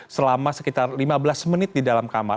selama sekitar lima belas menit di dalam kamar